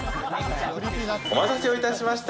お待たせをいたしました。